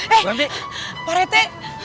eh pak rete